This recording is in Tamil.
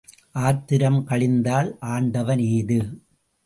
ஆத்திரம் கழிந்தால் ஆண்டவன் ஏது?